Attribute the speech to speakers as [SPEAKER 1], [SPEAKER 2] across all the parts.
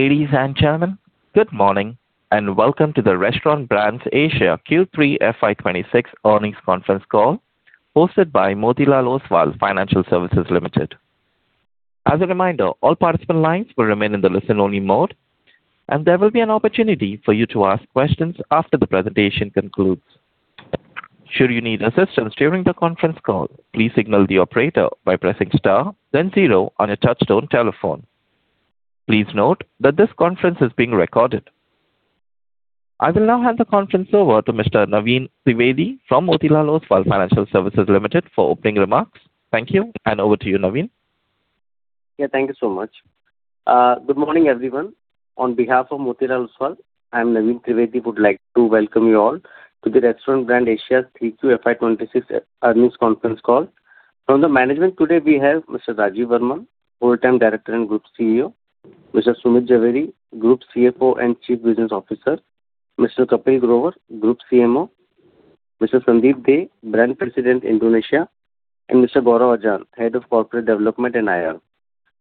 [SPEAKER 1] Ladies and gentlemen, good morning and welcome to the Restaurant Brands Asia Q3 FY 2026 Earnings Conference Call hosted by Motilal Oswal Financial Services Limited. As a reminder, all participant lines will remain in the listen-only mode, and there will be an opportunity for you to ask questions after the presentation concludes. Should you need assistance during the conference call, please signal the operator by pressing star, then zero on your touch-tone telephone. Please note that this conference is being recorded. I will now hand the conference over to Mr. Naveen Trivedi from Motilal Oswal Financial Services Limited for opening remarks. Thank you, and over to you, Naveen.
[SPEAKER 2] Yeah, thank you so much. Good morning, everyone. On behalf of Motilal Oswal, I'm Naveen Trivedi, would like to welcome you all to the Restaurant Brands Asia Q3 FY 2026 Earnings Conference Call. From the management today, we have Mr. Rajeev Varman, Full-Time Director and Group CEO, Mr. Sumit Zaveri, Group CFO and Chief Business Officer, Mr. Kapil Grover, Group CMO, Mr. Sandeep Dey, Brand President Indonesia, and Mr. Gaurav Ajjan, Head of Corporate Development and IR.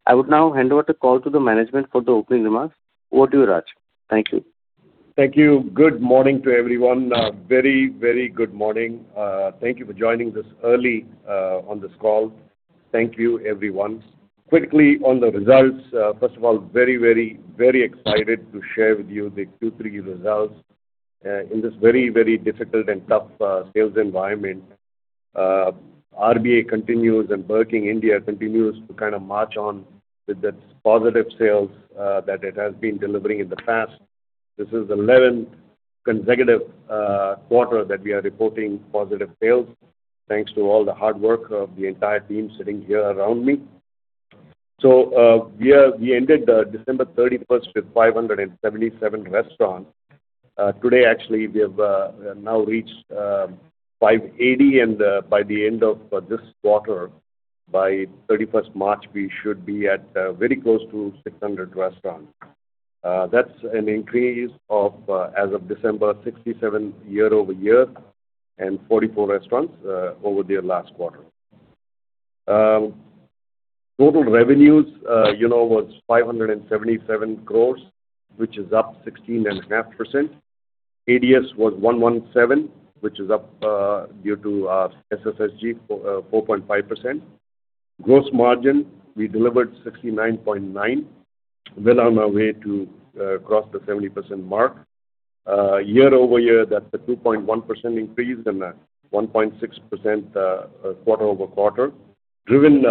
[SPEAKER 2] I would now hand over the call to the management for the opening remarks. Over to you, Raj. Thank you.
[SPEAKER 3] Thank you. Good morning to everyone. Very, very good morning. Thank you for joining this early on this call. Thank you, everyone. Quickly on the results. First of all, very, very, very excited to share with you the Q3 results. In this very, very difficult and tough sales environment, RBA continues and Burger King India continues to kind of march on with that positive sales that it has been delivering in the past. This is the 11th consecutive quarter that we are reporting positive sales, thanks to all the hard work of the entire team sitting here around me. So we ended 31st December with 577 restaurants. Today, actually, we have now reached 580, and by the end of this quarter, by March 31st, we should be at very close to 600 restaurants. That's an increase of, as of December, 67 year-over-year and 44 restaurants over their last quarter. Total revenues was 577 crore, which is up 16.5%. ADS was 117, which is up due to our SSSG 4.5%. Gross margin, we delivered 69.9%. Well on our way to cross the 70% mark. Year-over-year, that's a 2.1% increase and a 1.6% quarter-over-quarter, driven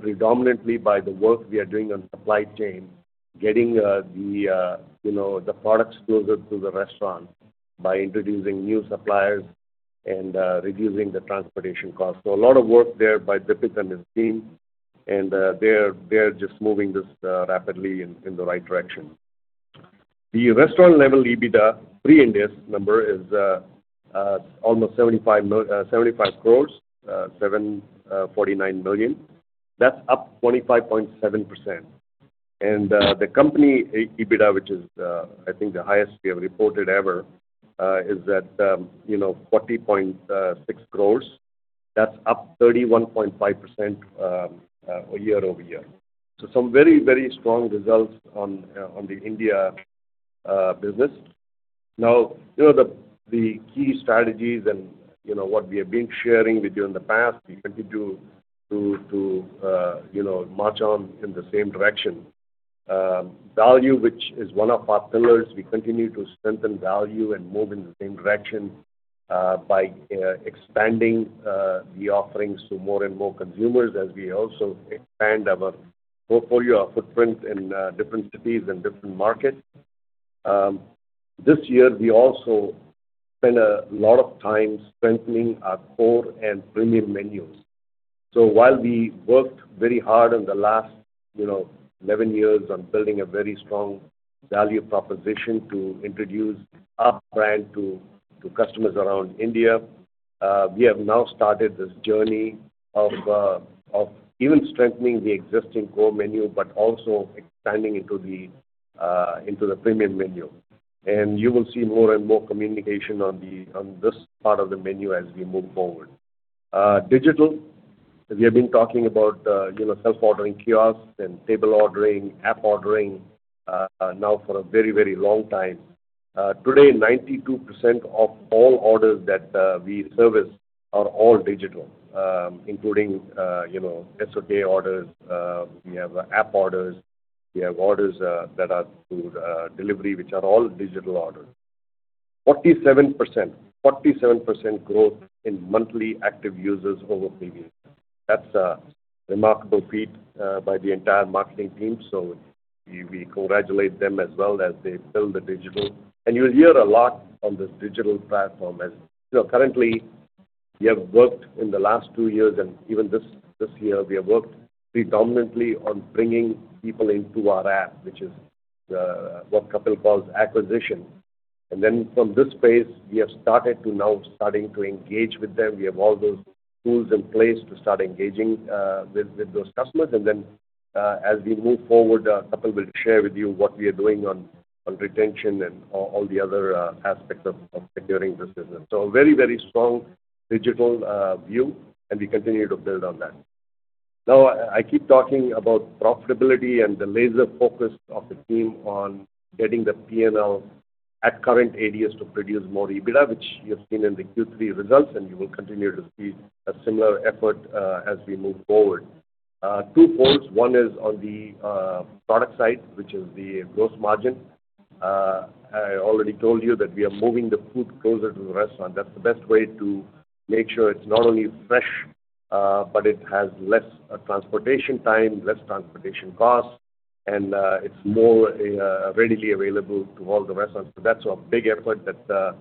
[SPEAKER 3] predominantly by the work we are doing on supply chain, getting the products closer to the restaurants by introducing new suppliers and reducing the transportation costs. So a lot of work there by Birkin and his team, and they're just moving this rapidly in the right direction. The restaurant-level EBITDA, pre-Ind AS, number is almost 75 crore, 749 million. That's up 25.7%. And the company EBITDA, which is, I think, the highest we have reported ever, is at 40.6 crore. That's up 31.5% year-over-year. So some very, very strong results on the India business. Now, the key strategies and what we have been sharing with you in the past, we continue to march on in the same direction. Value, which is one of our pillars, we continue to strengthen value and move in the same direction by expanding the offerings to more and more consumers as we also expand our portfolio, our footprint in different cities and different markets. This year, we also spent a lot of time strengthening our core and premium menus. While we worked very hard in the last 11 years on building a very strong value proposition to introduce our brand to customers around India, we have now started this journey of even strengthening the existing core menu but also expanding into the premium menu. You will see more and more communication on this part of the menu as we move forward. Digital, we have been talking about self-ordering kiosks and table ordering, app ordering now for a very, very long time. Today, 92% of all orders that we service are all digital, including SOK orders. We have app orders. We have orders that are through delivery, which are all digital orders. 47% growth in monthly active users over previous. That's a remarkable feat by the entire marketing team, so we congratulate them as well as they build the digital. And you'll hear a lot on this digital platform as currently, we have worked in the last two years, and even this year, we have worked predominantly on bringing people into our app, which is what Kapil calls acquisition. And then from this space, we have started to now starting to engage with them. We have all those tools in place to start engaging with those customers. And then as we move forward, Kapil will share with you what we are doing on retention and all the other aspects of securing this business. So a very, very strong digital view, and we continue to build on that. Now, I keep talking about profitability and the laser focus of the team on getting the P&L at current ADS to produce more EBITDA, which you have seen in the Q3 results, and you will continue to see a similar effort as we move forward. Two poles. One is on the product side, which is the gross margin. I already told you that we are moving the food closer to the restaurant. That's the best way to make sure it's not only fresh but it has less transportation time, less transportation costs, and it's more readily available to all the restaurants. So that's a big effort that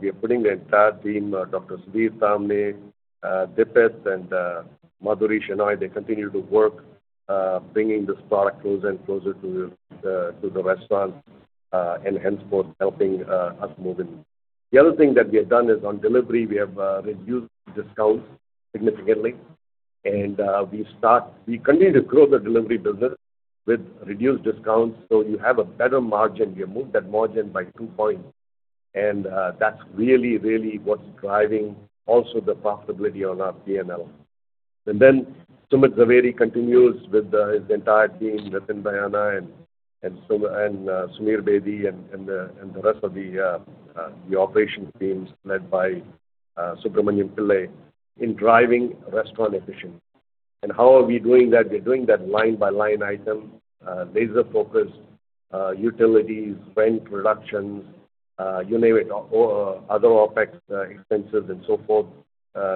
[SPEAKER 3] we are putting. The entire team, Dr. Sudhir Tamne, Dipit, and Madhuri Shenoy, they continue to work bringing this product closer and closer to the restaurants and henceforth helping us move in. The other thing that we have done is on delivery, we have reduced discounts significantly. We continue to grow the delivery business with reduced discounts, so you have a better margin. We have moved that margin by two points, and that's really, really what's driving also the profitability on our P&L. Then Sumit Zaveri continues with his entire team, Nitin Bhayana, and Samir Bedi and the rest of the operations teams led by Subramanian Pillai in driving restaurant efficiency. How are we doing that? We're doing that line-by-line item, laser-focused utilities, rent reductions, you name it, other OPEX expenses, and so forth.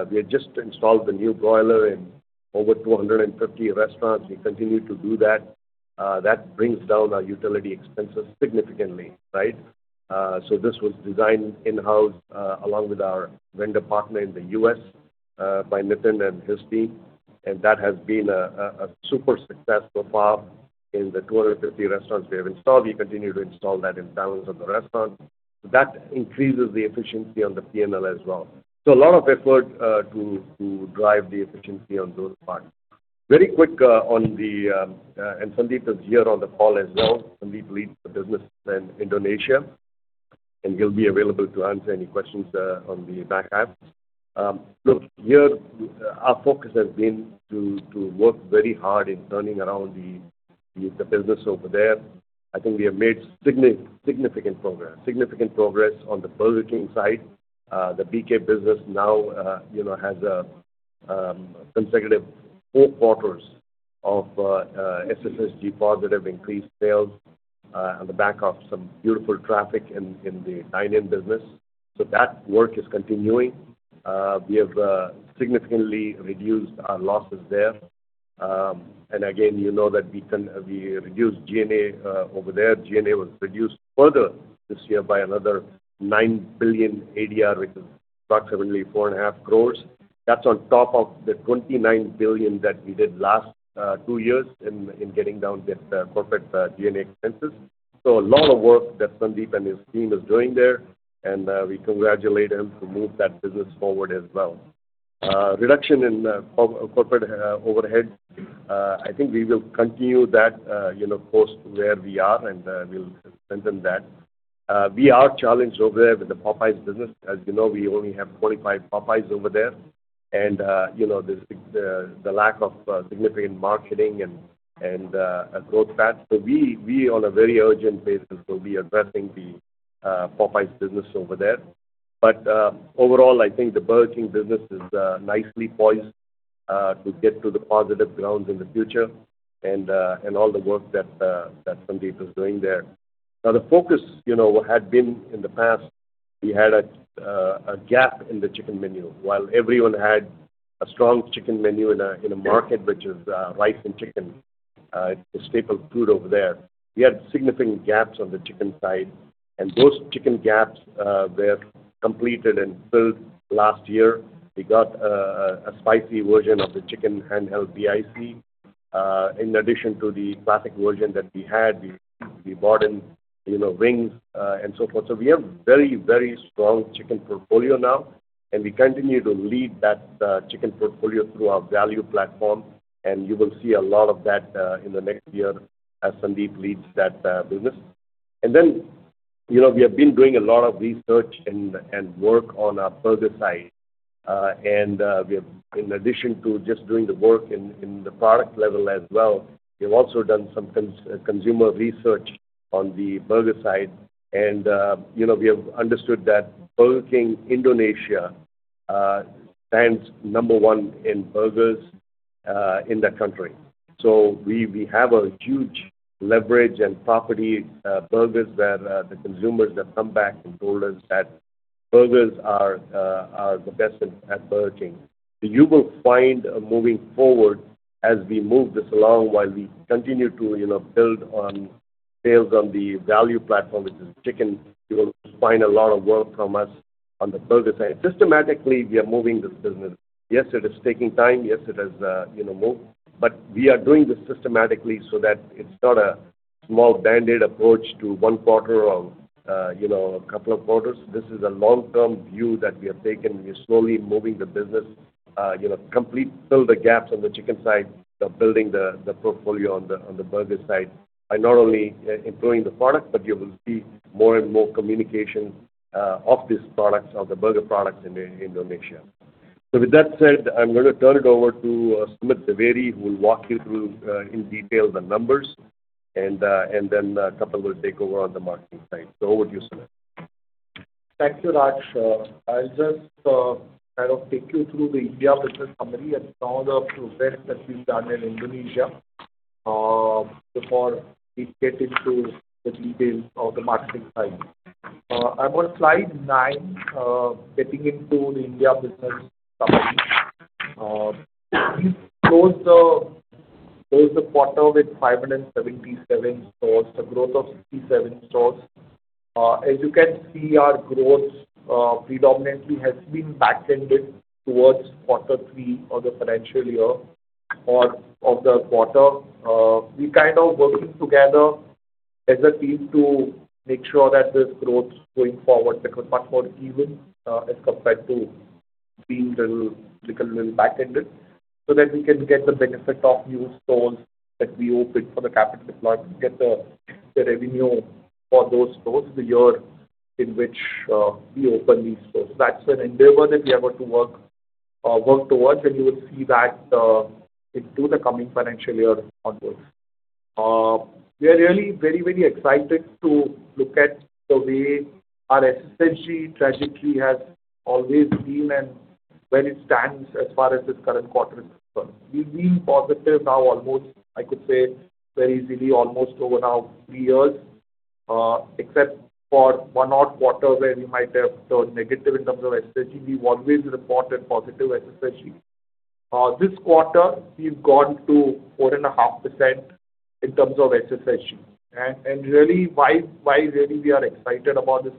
[SPEAKER 3] We have just installed the new boiler in over 250 restaurants. We continue to do that. That brings down our utility expenses significantly, right? So this was designed in-house along with our vendor partner in the US by Nitin and his team, and that has been a super success so far in the 250 restaurants we have installed. We continue to install that in thousands of the restaurants. That increases the efficiency on the P&L as well. So a lot of effort to drive the efficiency on those parts. Very quick on the and Sandeep is here on the call as well. Sandeep leads the business in Indonesia, and he'll be available to answer any questions on the back half. Look, here, our focus has been to work very hard in turning around the business over there. I think we have made significant progress. Significant progress on the Burger King side. The BK business now has consecutive four quarters of SSSG positive increased sales on the back of some beautiful traffic in the dine-in business. So that work is continuing. We have significantly reduced our losses there. And again, you know that we reduced G&A over there. G&A was reduced further this year by another 9 billion, which is approximately 4.5 crore. That's on top of the 29 billion that we did last two years in getting down the corporate G&A expenses. So a lot of work that Sandeep and his team is doing there, and we congratulate him to move that business forward as well. Reduction in corporate overhead, I think we will continue that course to where we are, and we'll strengthen that. We are challenged over there with the Popeyes business. As you know, we only have 45 Popeyes over there, and there's the lack of significant marketing and growth path. So we, on a very urgent basis, will be addressing the Popeyes business over there. But overall, I think the Burger King business is nicely poised to get to the positive grounds in the future and all the work that Sandeep is doing there. Now, the focus had been in the past, we had a gap in the chicken menu. While everyone had a strong chicken menu in a market which is rice and chicken, it's a staple food over there, we had significant gaps on the chicken side. And those chicken gaps were completed and filled last year. We got a spicy version of the chicken handheld BIC. In addition to the classic version that we had, we brought in wings and so forth. We have a very, very strong chicken portfolio now, and we continue to lead that chicken portfolio through our value platform. You will see a lot of that in the next year as Sandeep leads that business. Then we have been doing a lot of research and work on our burger side. In addition to just doing the work in the product level as well, we have also done some consumer research on the burger side. We have understood that Burger King Indonesia stands number one in burgers in the country. We have a huge leverage and proprietary burgers where the consumers have come back and told us that burgers are the best at Burger King. You will find, moving forward, as we move this along while we continue to build on sales on the value platform, which is chicken, you will find a lot of work from us on the burger side. Systematically, we are moving this business. Yes, it is taking time. Yes, it has moved. But we are doing this systematically so that it's not a small band-aid approach to one quarter or a couple of quarters. This is a long-term view that we have taken. We are slowly moving the business, completely filling the gaps on the chicken side, building the portfolio on the burger side by not only improving the product, but you will see more and more communication of these products, of the burger products in Indonesia. With that said, I'm going to turn it over to Sumit Zaveri, who will walk you through in detail the numbers, and then Kapil will take over on the marketing side. Over to you, Sumit.
[SPEAKER 4] Thank you, Raj. I'll just kind of take you through the India business summary and some of the progress that we've done in Indonesia before we get into the details of the marketing side. I'm on slide 9, getting into the India business summary. We've closed the quarter with 577 stores, a growth of 67 stores. As you can see, our growth predominantly has been back-ended towards quarter three of the financial year or of the quarter. We're kind of working together as a team to make sure that this growth going forward becomes much more even as compared to being a little back-ended so that we can get the benefit of new stores that we opened for the capital deployment, get the revenue for those stores, the year in which we open these stores. That's an endeavor that we are going to work towards, and you will see that into the coming financial year onwards. We are really very, very excited to look at the way our SSSG trajectory has always been and where it stands as far as this current quarter is concerned. We've been positive now almost, I could say, very easily almost over now three years, except for one odd quarter where we might have turned negative in terms of SSSG. We've always reported positive SSSG. This quarter, we've gone to 4.5% in terms of SSSG. And really, why really we are excited about this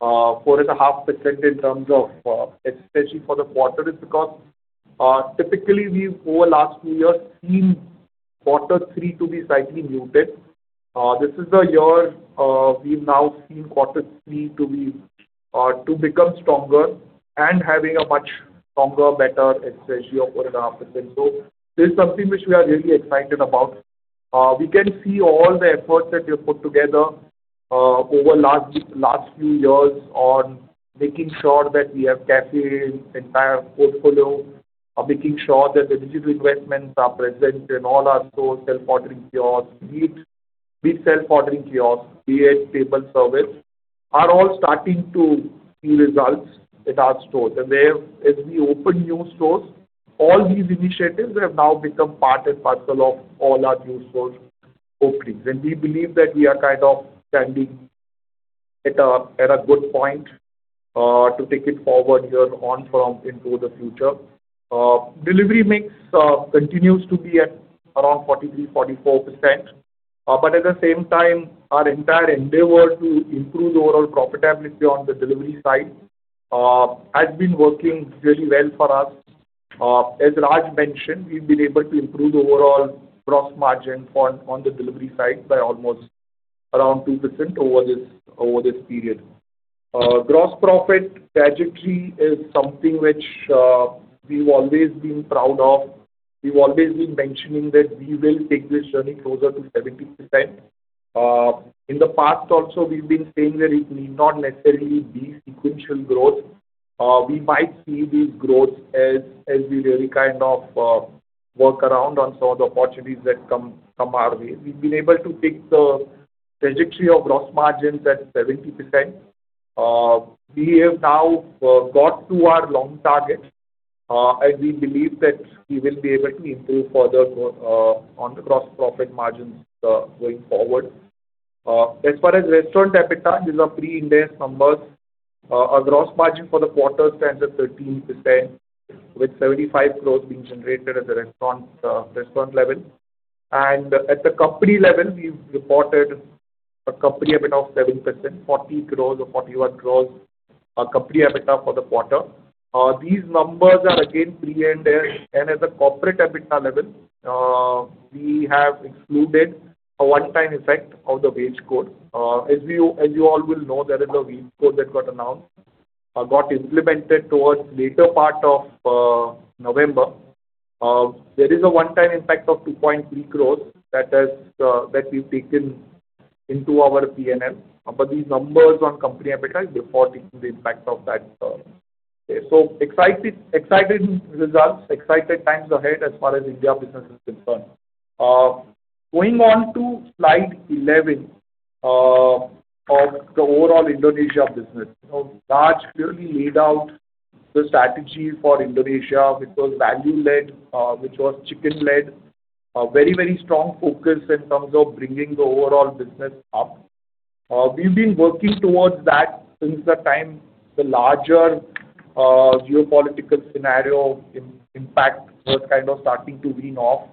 [SPEAKER 4] 4.5%? 4.5% in terms of SSSG for the quarter is because typically, we've over the last two years seen quarter three to be slightly muted. This is the year we've now seen quarter three to become stronger and having a much stronger, better SSSG of 4.5%. So this is something which we are really excited about. We can see all the efforts that we have put together over the last few years on making sure that we have café in the entire portfolio, making sure that the digital investments are present in all our stores, self-ordering kiosks, mobile self-ordering kiosks, be it table service, are all starting to see results in our stores. As we open new stores, all these initiatives have now become part and parcel of all our new store openings. We believe that we are kind of standing at a good point to take it forward here on from into the future. Delivery mix continues to be at around 43%-44%. At the same time, our entire endeavor to improve the overall profitability on the delivery side has been working really well for us. As Raj mentioned, we've been able to improve the overall gross margin on the delivery side by almost around 2% over this period. Gross profit trajectory is something which we've always been proud of. We've always been mentioning that we will take this journey closer to 70%. In the past also, we've been saying that it may not necessarily be sequential growth. We might see these growths as we really kind of work around on some of the opportunities that come our way. We've been able to take the trajectory of gross margins at 70%. We have now got to our long target, and we believe that we will be able to improve further on the gross profit margins going forward. As far as restaurant EBITDA, these are pre-Ind AS numbers. Our gross margin for the quarter stands at 13% with 75 crore being generated at the restaurant level. And at the company level, we've reported a company EBITDA of 7%, 40 crore or 41 crore company EBITDA for the quarter. These numbers are again pre-Ind AS. And at the corporate EBITDA level, we have excluded a one-time effect of the Wage Code. As you all will know, there is a Wage Code that got announced, got implemented towards the later part of November. There is a one-time impact of 2.3 crore that we've taken into our P&L. But these numbers on company capital before taking the impact of that. So exciting results, exciting times ahead as far as India business is concerned. Going on to slide 11 of the overall Indonesia business, Raj clearly laid out the strategy for Indonesia. It was value-led, which was chicken-led, a very, very strong focus in terms of bringing the overall business up. We've been working towards that since the time the larger geopolitical scenario impact was kind of starting to wane off,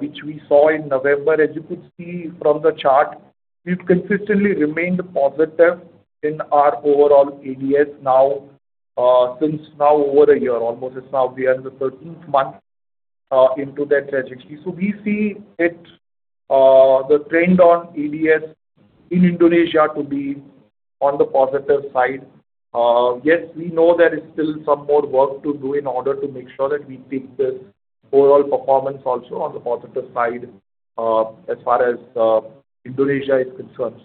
[SPEAKER 4] which we saw in November. As you could see from the chart, we've consistently remained positive in our overall ADS now since over a year almost. It's now we are in the 13th month into that trajectory. So we see the trend on ADS in Indonesia to be on the positive side. Yes, we know there is still some more work to do in order to make sure that we take this overall performance also on the positive side as far as Indonesia is concerned.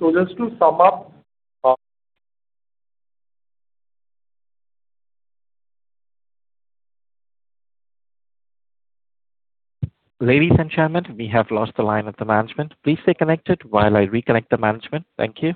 [SPEAKER 4] So just to sum up.
[SPEAKER 1] Ladies and gentlemen, we have lost the line of the management. Please stay connected while I reconnect the management. Thank you.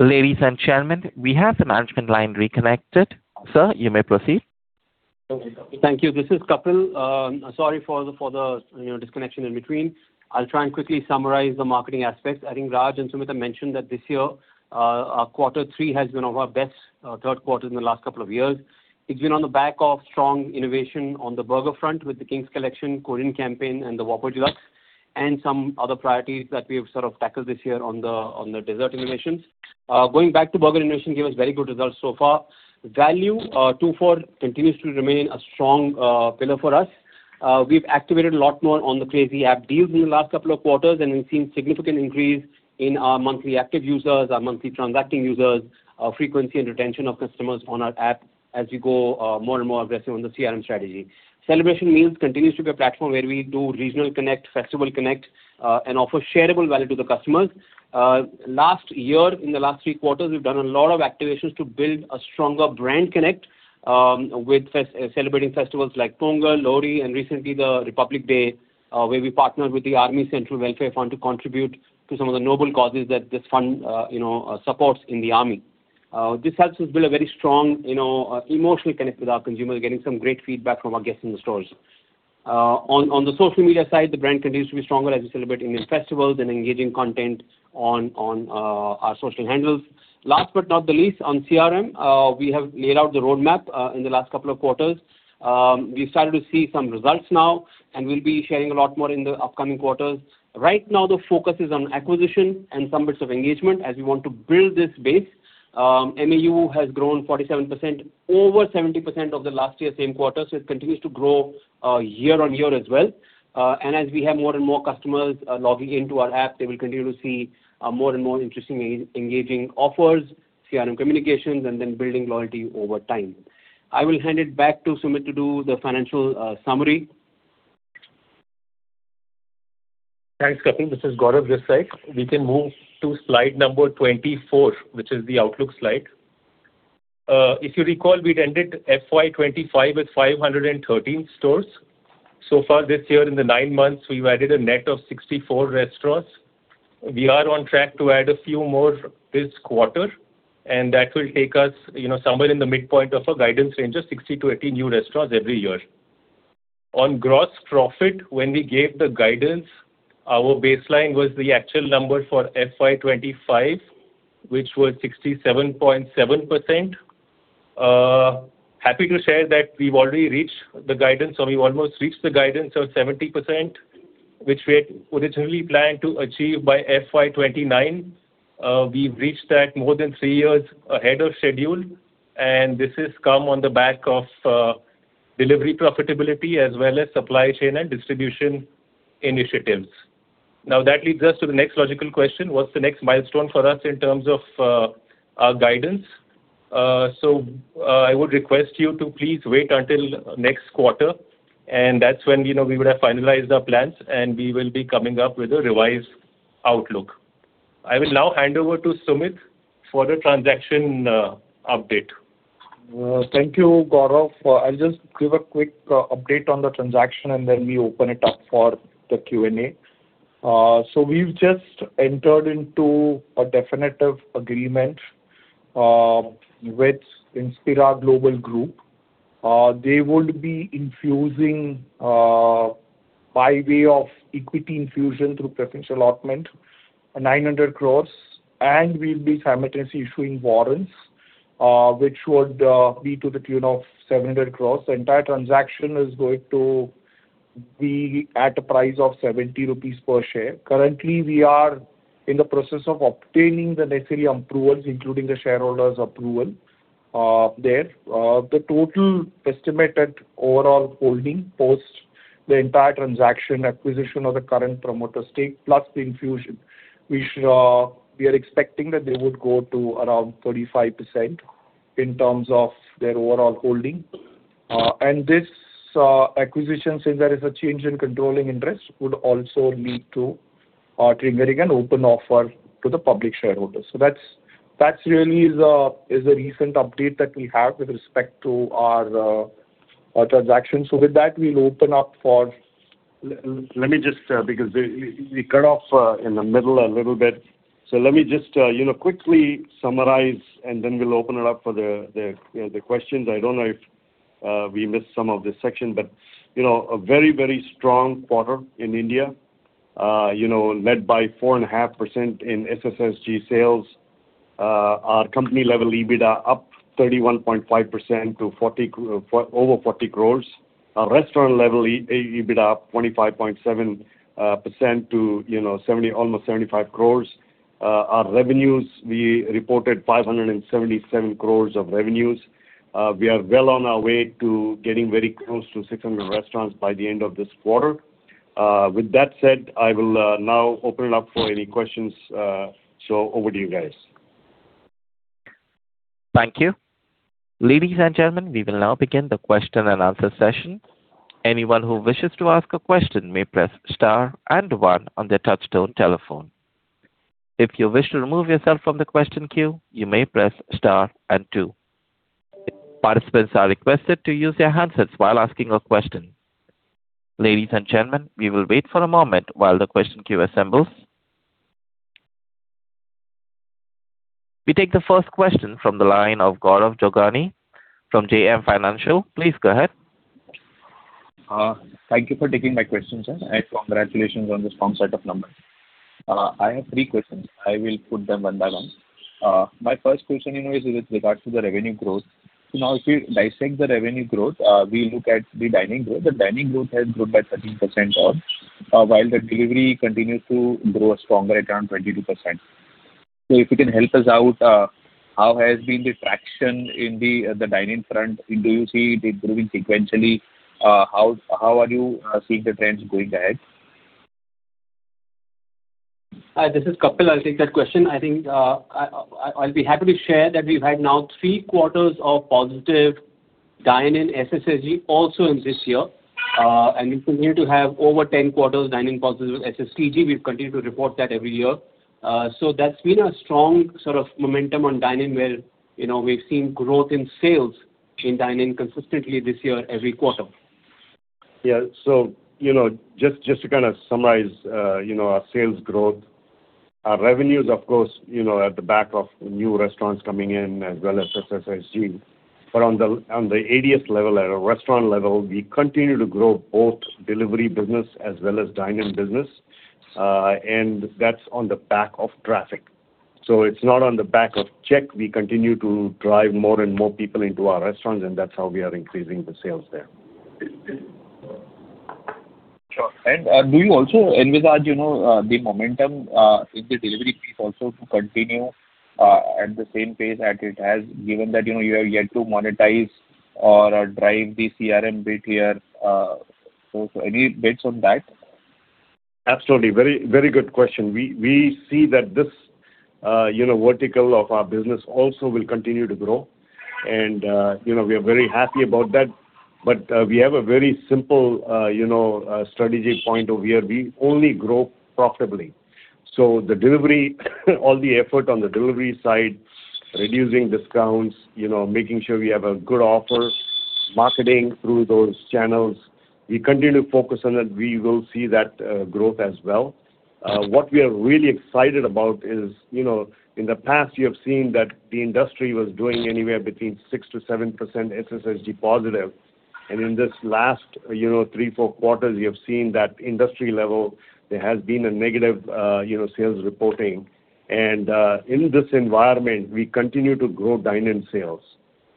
[SPEAKER 1] Ladies and gentlemen, we have the management line reconnected. Sir, you may proceed.
[SPEAKER 5] Thank you. This is Kapil. Sorry for the disconnection in between. I'll try and quickly summarize the marketing aspects. I think Raj and Sumit have mentioned that this year, quarter three has been our best third quarter in the last couple of years. It's been on the back of strong innovation on the burger front with the King's Collection, Korean Campaign, and the Whopper Deluxe, and some other priorities that we have sort of tackled this year on the dessert innovations. Going back to burger innovation gave us very good results so far. Value 24 continues to remain a strong pillar for us. We've activated a lot more on the Crazy App Deals in the last couple of quarters, and we've seen significant increase in our monthly active users, our monthly transacting users, our frequency and retention of customers on our app as we go more and more aggressive on the CRM strategy. Celebration Meals continues to be a platform where we do regional connect, festival connect, and offer shareable value to the customers. Last year, in the last three quarters, we've done a lot of activations to build a stronger brand connect with celebrating festivals like Pongal, Lohri, and recently the Republic Day where we partnered with the Army Central Welfare Fund to contribute to some of the noble causes that this fund supports in the Army. This helps us build a very strong emotional connect with our consumers, getting some great feedback from our guests in the stores. On the social media side, the brand continues to be stronger as we celebrate Indian festivals and engaging content on our social handles. Last but not least, on CRM, we have laid out the roadmap in the last couple of quarters. We've started to see some results now, and we'll be sharing a lot more in the upcoming quarters. Right now, the focus is on acquisition and some bits of engagement as we want to build this base. MAU has grown 47%, over 70% of the last year same quarter, so it continues to grow year-on-year as well. And as we have more and more customers logging into our app, they will continue to see more and more interesting, engaging offers, CRM communications, and then building loyalty over time. I will hand it back to Sumit to do the financial summary.
[SPEAKER 6] Thanks, Kapil. This is Gaurav Ajjan. We can move to slide number 24, which is the Outlook slide. If you recall, we'd ended FY 2025 with 513 stores. So far this year, in the nine months, we've added a net of 64 restaurants. We are on track to add a few more this quarter, and that will take us somewhere in the midpoint of a guidance range of 60-80 new restaurants every year. On gross profit, when we gave the guidance, our baseline was the actual number for FY 2025, which was 67.7%. Happy to share that we've already reached the guidance, or we've almost reached the guidance of 70%, which we had originally planned to achieve by FY 2029. We've reached that more than three years ahead of schedule, and this has come on the back of delivery profitability as well as supply chain and distribution initiatives. Now, that leads us to the next logical question. What's the next milestone for us in terms of our guidance? So I would request you to please wait until next quarter, and that's when we would have finalized our plans, and we will be coming up with a revised Outlook. I will now hand over to Sumit for the transaction update.
[SPEAKER 4] Thank you, Gaurav. I'll just give a quick update on the transaction, and then we open it up for the Q&A. So we've just entered into a definitive agreement with Inspira Global Group. They would be infusing by way of equity infusion through preferential allotment, 900 crore, and we'll be simultaneously issuing warrants, which would be to the tune of 700 crore. The entire transaction is going to be at a price of 70 rupees per share. Currently, we are in the process of obtaining the necessary approvals, including the shareholders' approval there. The total estimated overall holding post the entire transaction, acquisition of the current promoter stake, plus the infusion, we are expecting that they would go to around 35% in terms of their overall holding. And this acquisition, since there is a change in controlling interest, would also lead to triggering an open offer to the public shareholders. So that really is a recent update that we have with respect to our transactions. So with that, we'll open up for.
[SPEAKER 3] Let me just, because we cut off in the middle a little bit. So let me just quickly summarize, and then we'll open it up for the questions. I don't know if we missed some of this section, but a very, very strong quarter in India, led by 4.5% in SSSG sales. Our company-level EBITDA up 31.5% to over 40 crores. Restaurant-level EBITDA up 25.7% to almost 75 crores. Our revenues, we reported 577 crores of revenues. We are well on our way to getting very close to 600 restaurants by the end of this quarter. With that said, I will now open it up for any questions. So over to you guys.
[SPEAKER 1] Thank you. Ladies and gentlemen, we will now begin the Q&A session. Anyone who wishes to ask a question may press star and one on their touch-tone telephone. If you wish to remove yourself from the question queue, you may press star and two. Participants are requested to use their handsets while asking a question. Ladies and gentlemen, we will wait for a moment while the question queue assembles. We take the first question from the line of Gaurav Jogani from JM Financial. Please go ahead.
[SPEAKER 7] Thank you for taking my question, sir, and congratulations on the strong set of numbers. I have three questions. I will put them one by one. My first question is with regards to the revenue growth. Now, if we dissect the revenue growth, we look at the dining growth. The dining growth has grown by 13%, while the delivery continues to grow stronger at around 22%. So if you can help us out, how has been the traction in the dining front? Do you see it improving sequentially? How are you seeing the trends going ahead?
[SPEAKER 5] Hi, this is Kapil. I'll take that question. I think I'll be happy to share that we've had now three quarters of positive dining in SSSG also in this year, and we continue to have over 10 quarters dining positive in SSTG. We've continued to report that every year. So that's been a strong sort of momentum on dining where we've seen growth in sales in dining consistently this year every quarter.
[SPEAKER 3] Yeah. So just to kind of summarize our sales growth, our revenues, of course, at the back of new restaurants coming in as well as SSSG. But on the store level, at a restaurant level, we continue to grow both delivery business as well as dining business, and that's on the back of traffic. So it's not on the back of check. We continue to drive more and more people into our restaurants, and that's how we are increasing the sales there.
[SPEAKER 7] Sure. And do you also envisage the momentum in the delivery piece also to continue at the same pace that it has, given that you have yet to monetize or drive the CRM bit here? So any bits on that?
[SPEAKER 3] Absolutely. Very good question. We see that this vertical of our business also will continue to grow, and we are very happy about that. We have a very simple strategy point of view. We only grow profitably. All the effort on the delivery side, reducing discounts, making sure we have a good offer, marketing through those channels, we continue to focus on that. We will see that growth as well. What we are really excited about is, in the past, you have seen that the industry was doing anywhere between 6%-7% SSSG positive. In this last 3-4 quarters, you have seen that industry level, there has been a negative sales reporting. In this environment, we continue to grow dining sales.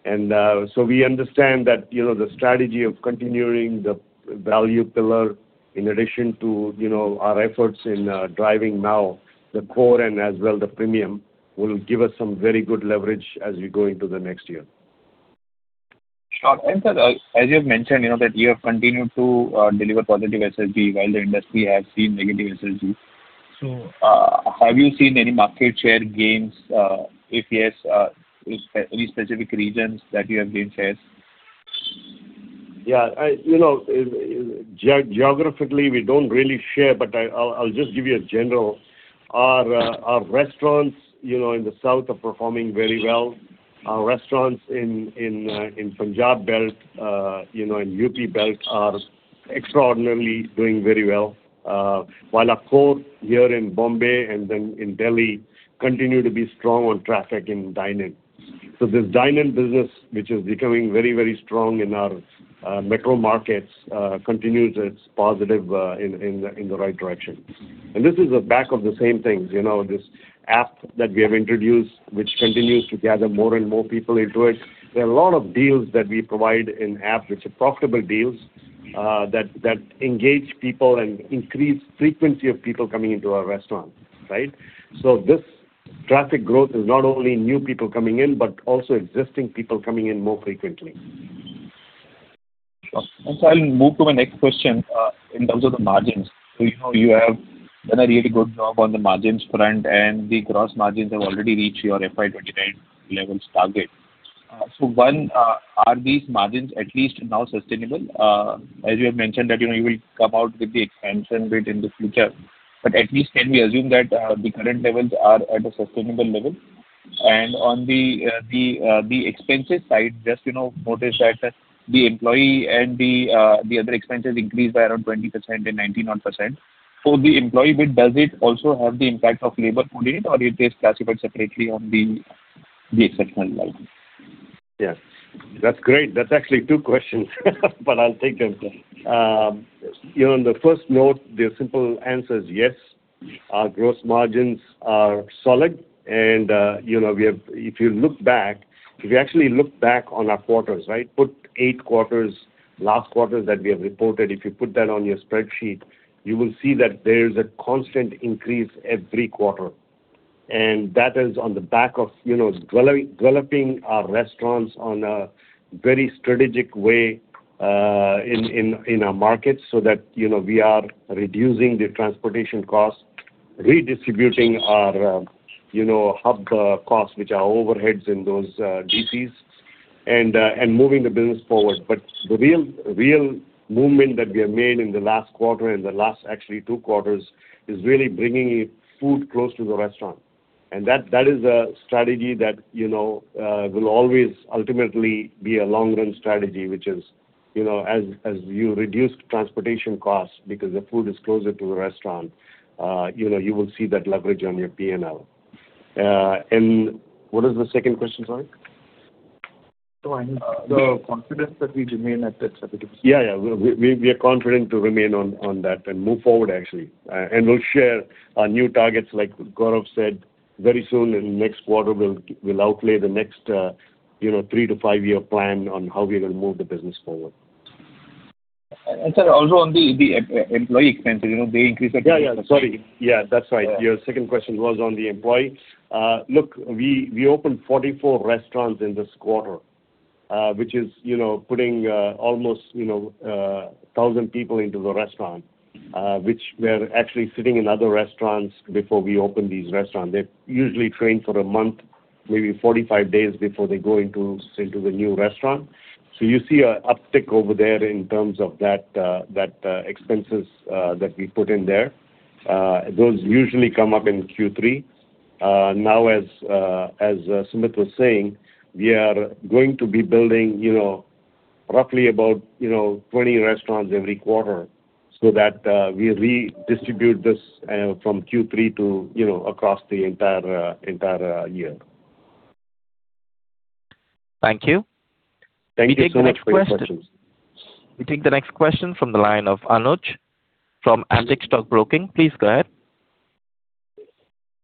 [SPEAKER 3] We understand that the strategy of continuing the value pillar, in addition to our efforts in driving now the core and as well the premium, will give us some very good leverage as we go into the next year.
[SPEAKER 7] Sure. And sir, as you have mentioned, that you have continued to deliver positive SSG while the industry has seen negative SSG. So have you seen any market share gains? If yes, any specific regions that you have gained shares?
[SPEAKER 3] Yeah. Geographically, we don't really share, but I'll just give you a general. Our restaurants in the South are performing very well. Our restaurants in Punjab Belt and UP Belt are extraordinarily doing very well, while our core here in Bombay and then in Delhi continue to be strong on traffic in dining. So this dining business, which is becoming very, very strong in our metro markets, continues its positive in the right direction. And this is the back of the same things, this app that we have introduced, which continues to gather more and more people into it. There are a lot of deals that we provide in apps, which are profitable deals that engage people and increase the frequency of people coming into our restaurant, right? So this traffic growth is not only new people coming in, but also existing people coming in more frequently.
[SPEAKER 7] Sure. And sir, I'll move to my next question in terms of the margins. So you have done a really good job on the margins front, and the gross margins have already reached your FY 2029 levels target. So one, are these margins at least now sustainable? As you have mentioned, that you will come out with the expansion bit in the future. But at least, can we assume that the current levels are at a sustainable level? And on the expenses side, just notice that the employee and the other expenses increased by around 20% and 19%. For the employee bit, does it also have the impact of labor code, or it is classified separately on the exceptional level?
[SPEAKER 3] Yes. That's great. That's actually two questions, but I'll take them. On the first note, the simple answer is yes. Our gross margins are solid. If you look back, if you actually look back on our quarters, right, put 8 quarters, last quarters that we have reported, if you put that on your spreadsheet, you will see that there is a constant increase every quarter. That is on the back of developing our restaurants in a very strategic way in our markets so that we are reducing the transportation cost, redistributing our hub costs, which are overheads in those DCs, and moving the business forward. The real movement that we have made in the last quarter and the last actually 2 quarters is really bringing food close to the restaurant. That is a strategy that will always ultimately be a long-run strategy, which is, as you reduce transportation costs because the food is closer to the restaurant, you will see that leverage on your P&L. What is the second question? Sorry.
[SPEAKER 7] Go ahead. The confidence that we remain at that strategy.
[SPEAKER 3] Yeah, yeah. We are confident to remain on that and move forward, actually. We'll share new targets. Like Gaurav said, very soon in the next quarter, we'll outlay the next three- to five-year plan on how we're going to move the business forward.
[SPEAKER 7] And sir, also on the employee expenses, they increased at.
[SPEAKER 3] Yeah, yeah. Sorry. Yeah, that's right. Your second question was on the employee. Look, we opened 44 restaurants in this quarter, which is putting almost 1,000 people into the restaurant, which were actually sitting in other restaurants before we opened these restaurants. They're usually trained for a month, maybe 45 days before they go into the new restaurant. So you see an uptick over there in terms of that expenses that we put in there. Those usually come up in Q3. Now, as Sumit was saying, we are going to be building roughly about 20 restaurants every quarter so that we redistribute this from Q3 to across the entire year.
[SPEAKER 1] Thank you.
[SPEAKER 3] Thank you so much for your questions.
[SPEAKER 1] We take the next question from the line of Anuj Jain from Ambit Capital. Please go ahead.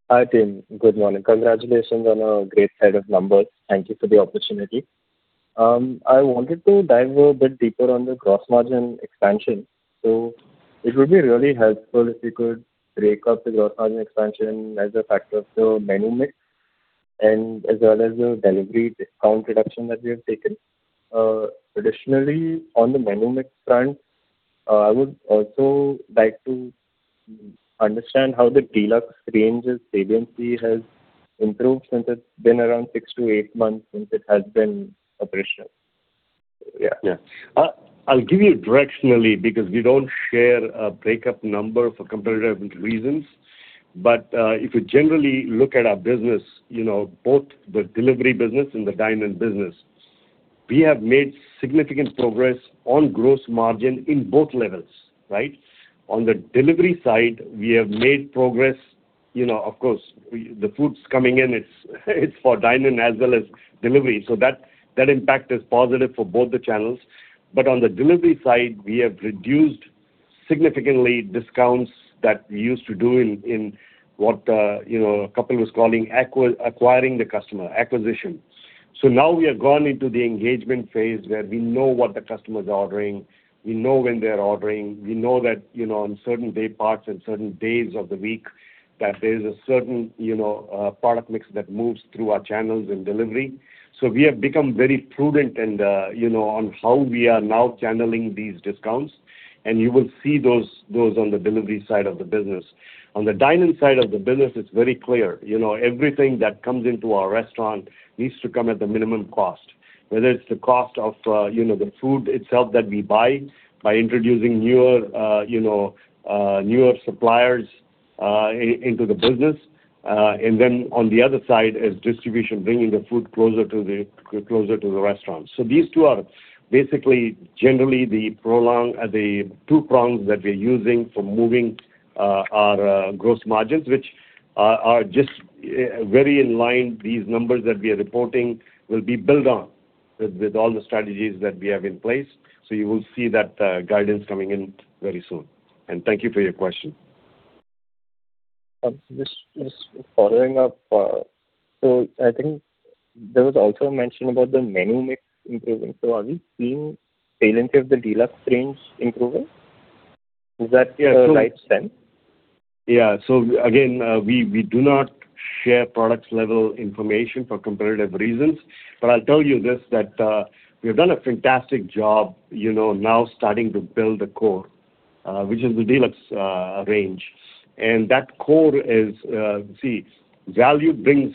[SPEAKER 8] Hi team. Good morning. Congratulations on a great set of numbers. Thank you for the opportunity. I wanted to dive a bit deeper on the gross margin expansion. It would be really helpful if you could break up the gross margin expansion as a factor of the menu mix and as well as the delivery discount reduction that we have taken. Additionally, on the menu mix front, I would also like to understand how the deluxe ranges savings fee has improved since it's been around 6-8 months since it has been operational. Yeah.
[SPEAKER 3] Yeah. I'll give you directionally because we don't share a breakup number for competitive reasons. But if you generally look at our business, both the delivery business and the dining business, we have made significant progress on gross margin in both levels, right? On the delivery side, we have made progress. Of course, the food's coming in. It's for dining as well as delivery. So that impact is positive for both the channels. But on the delivery side, we have reduced significantly discounts that we used to do in what a couple was calling acquiring the customer, acquisition. So now we have gone into the engagement phase where we know what the customer's ordering. We know when they're ordering. We know that on certain day parts and certain days of the week, that there is a certain product mix that moves through our channels in delivery. So we have become very prudent on how we are now channeling these discounts. And you will see those on the delivery side of the business. On the dining side of the business, it's very clear. Everything that comes into our restaurant needs to come at the minimum cost, whether it's the cost of the food itself that we buy by introducing newer suppliers into the business. And then on the other side, as distribution, bringing the food closer to the restaurants. So these two are basically generally the two prongs that we're using for moving our gross margins, which are just very in line. These numbers that we are reporting will be built on with all the strategies that we have in place. So you will see that guidance coming in very soon. And thank you for your question.
[SPEAKER 8] Just following up, so I think there was also a mention about the menu mix improving. So are we seeing saliency of the deluxe range improving? Is that the right sense?
[SPEAKER 3] Yeah. So again, we do not share product-level information for competitive reasons. But I'll tell you this, that we have done a fantastic job now starting to build the core, which is the deluxe range. And that core is, see, value brings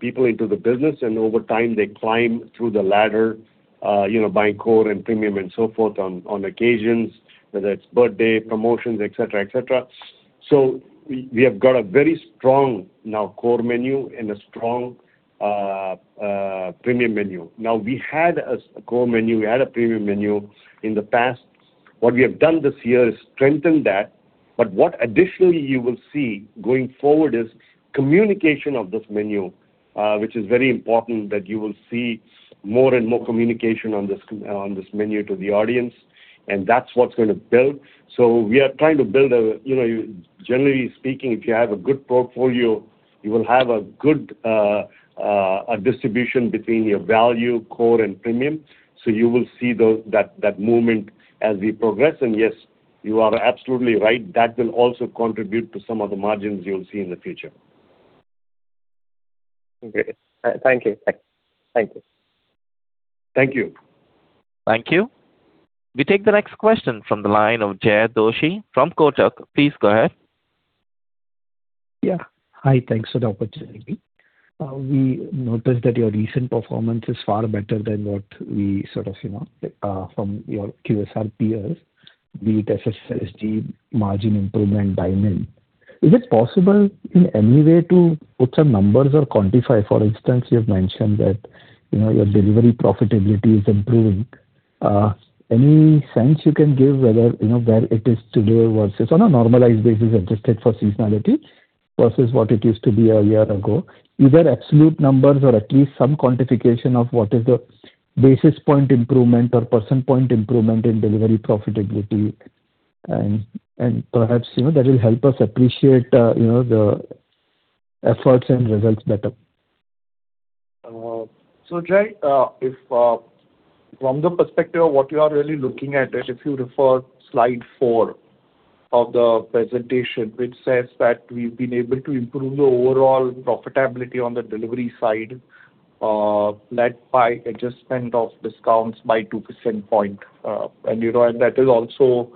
[SPEAKER 3] people into the business, and over time, they climb through the ladder buying core and premium and so forth on occasions, whether it's birthday, promotions, etc., etc. So we have got a very strong now core menu and a strong premium menu. Now, we had a core menu. We had a premium menu in the past. What we have done this year is strengthen that. But what additionally you will see going forward is communication of this menu, which is very important that you will see more and more communication on this menu to the audience. And that's what's going to build. So we are trying to build a generally speaking, if you have a good portfolio, you will have a good distribution between your value, core, and premium. So you will see that movement as we progress. And yes, you are absolutely right. That will also contribute to some of the margins you will see in the future.
[SPEAKER 8] Okay. Thank you. Thank you.
[SPEAKER 3] Thank you.
[SPEAKER 1] Thank you. We take the next question from the line of Jaykumar Doshi from Kotak. Please go ahead.
[SPEAKER 9] Yeah. Hi. Thanks for the opportunity. We noticed that your recent performance is far better than what we sort of from your QSR peers, be it SSSG, margin improvement, dining. Is it possible in any way to put some numbers or quantify? For instance, you have mentioned that your delivery profitability is improving. Any sense you can give whether where it is today versus on a normalized basis, adjusted for seasonality versus what it used to be a year ago, either absolute numbers or at least some quantification of what is the basis point improvement or percent point improvement in delivery profitability? And perhaps that will help us appreciate the efforts and results better.
[SPEAKER 4] So, Jay, from the perspective of what you are really looking at, if you refer to slide 4 of the presentation, which says that we've been able to improve the overall profitability on the delivery side led by adjustment of discounts by 2 percentage points. That is also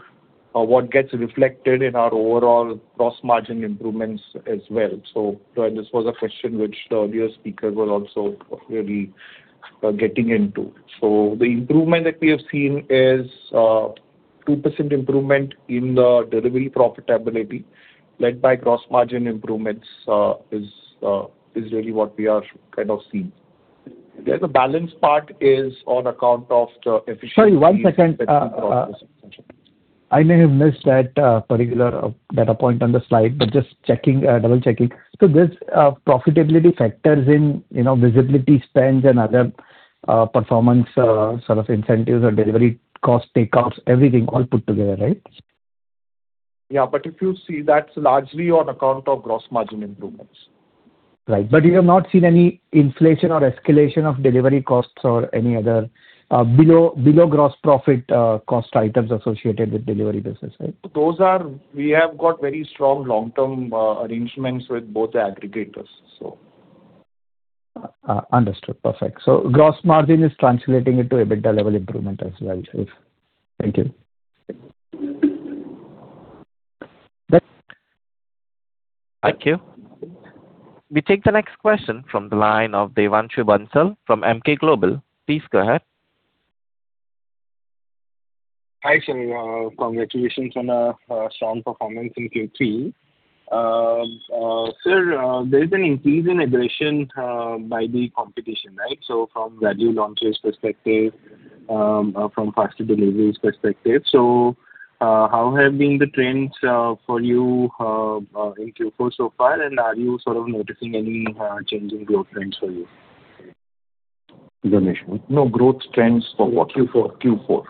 [SPEAKER 4] what gets reflected in our overall gross margin improvements as well. This was a question which the earlier speaker was also really getting into. The improvement that we have seen is 2% improvement in the delivery profitability led by gross margin improvements is really what we are kind of seeing. The balance part is on account of the efficiency process.
[SPEAKER 9] Sorry, one second. I may have missed that particular point on the slide, but just double-checking. So there's profitability factors in visibility spends and other performance sort of incentives or delivery cost takeouts, everything all put together, right?
[SPEAKER 4] Yeah. But if you see that's largely on account of gross margin improvements.
[SPEAKER 9] Right. But you have not seen any inflation or escalation of delivery costs or any other below gross profit cost items associated with delivery business, right?
[SPEAKER 4] We have got very strong long-term arrangements with both the aggregators, so.
[SPEAKER 9] Understood. Perfect. So Gross Margin is translating it to EBITDA level improvement as well. Thank you.
[SPEAKER 1] Thank you. We take the next question from the line of Devanshu Bansal from Emkay Global. Please go ahead.
[SPEAKER 10] Hi, sir. Congratulations on a strong performance in Q3. Sir, there is an increase in aggression by the competition, right? So from value launches perspective, from faster deliveries perspective. So how have been the trends for you in Q4 so far? Are you sort of noticing any changing growth trends for you?
[SPEAKER 3] Donation. No growth trends for what?
[SPEAKER 10] Q4.
[SPEAKER 3] Q4.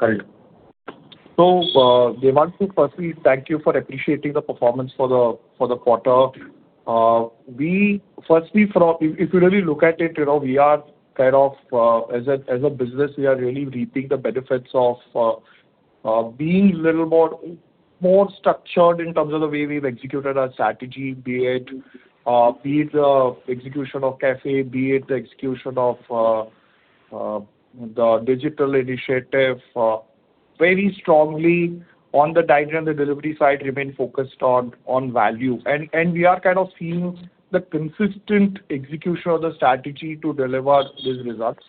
[SPEAKER 10] Correct.
[SPEAKER 4] So Devanshu, firstly, thank you for appreciating the performance for the quarter. Firstly, if you really look at it, we are kind of as a business, we are really reaping the benefits of being a little more structured in terms of the way we've executed our strategy, be it the execution of café, be it the execution of the digital initiative. Very strongly on the dining and the delivery side, remain focused on value. And we are kind of seeing the consistent execution of the strategy to deliver these results.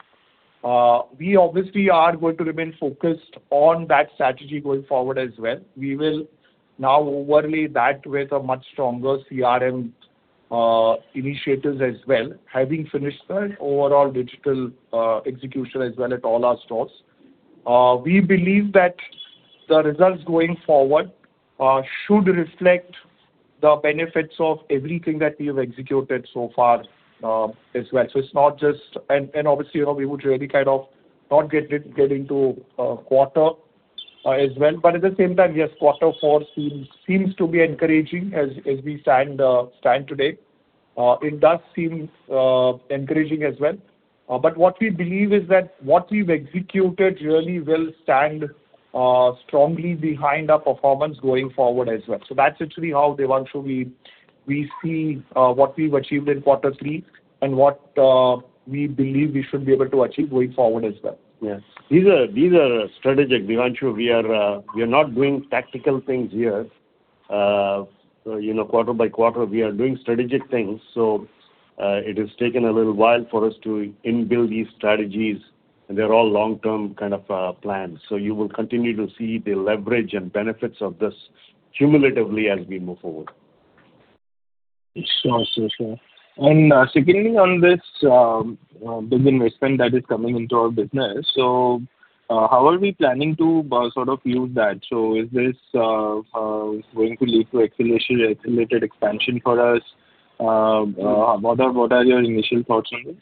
[SPEAKER 4] We obviously are going to remain focused on that strategy going forward as well. We will now overlay that with a much stronger CRM initiatives as well, having finished that overall digital execution as well at all our stores. We believe that the results going forward should reflect the benefits of everything that we have executed so far as well. So it's not just, and obviously, we would really kind of not get into quarter as well. But at the same time, yes, quarter four seems to be encouraging as we stand today. It does seem encouraging as well. But what we believe is that what we've executed really will stand strongly behind our performance going forward as well. So that's actually how, Devanshu, we see what we've achieved in quarter three and what we believe we should be able to achieve going forward as well.
[SPEAKER 3] Yeah. These are strategic. Devanshu, we are not doing tactical things here. Quarter by quarter, we are doing strategic things. So it has taken a little while for us to inbuild these strategies, and they're all long-term kind of plans. So you will continue to see the leverage and benefits of this cumulatively as we move forward.
[SPEAKER 10] Sure, sure, sure. And secondly, on this big investment that is coming into our business, so how are we planning to sort of use that? So is this going to lead to accelerated expansion for us? What are your initial thoughts on this?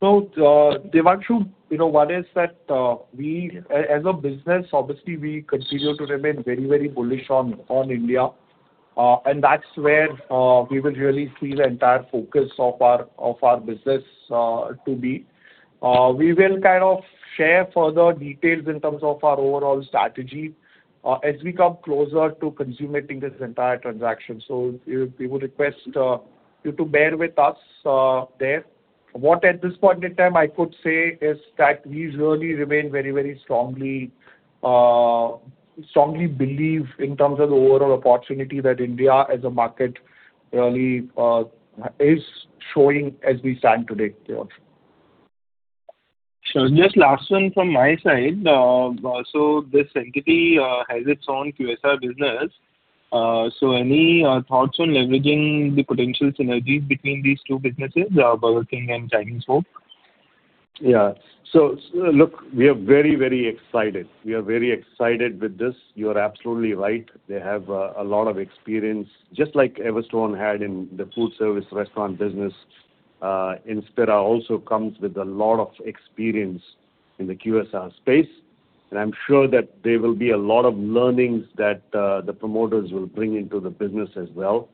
[SPEAKER 4] So Devanshu, what is that? As a business, obviously, we continue to remain very, very bullish on India. And that's where we will really see the entire focus of our business to be. We will kind of share further details in terms of our overall strategy as we come closer to consummating this entire transaction. So we would request you to bear with us there. What at this point in time, I could say is that we really remain very, very strongly believe in terms of the overall opportunity that India as a market really is showing as we stand today, Devanshu.
[SPEAKER 10] Just last one from my side. This entity has its own QSR business. Any thoughts on leveraging the potential synergies between these two businesses, Burger King and Chinese Wok?
[SPEAKER 3] Yeah. So look, we are very, very excited. We are very excited with this. You are absolutely right. They have a lot of experience, just like Everstone had in the food service restaurant business. Inspira also comes with a lot of experience in the QSR space. And I'm sure that there will be a lot of learnings that the promoters will bring into the business as well.